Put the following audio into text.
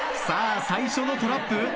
さあ最初のトラップ。